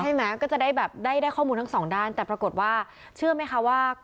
แม้ก็จะได้แบบได้ข้อมูลทั้งสองด้านแต่ปรากฏว่าเชื่อไหมคะว่า